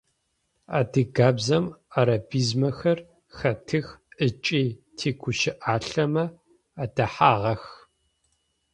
Адыгабзэм арабизмэхэр хэтых ыкӏи тигущыӏалъэмэ адэхьагъэх.